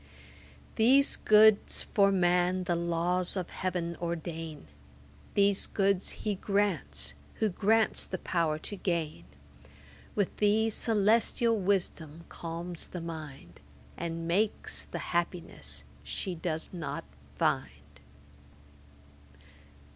These goods for man the laws of Heaven ordain, These goods He grants, who grants the power to gain; With these celestial wisdom calms the mind, And makes the happiness she does not find.' [Page 196: IRENE on the stage. A.D.